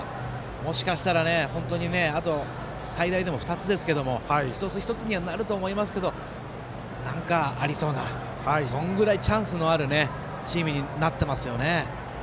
もしかしたら最大でも２つですけど一つ一つにはなると思いますがなんかありそうなそのぐらいチャンスのあるチームになってますよね。